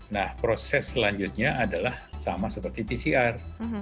nah proses selanjutnya adalah sama seperti pcr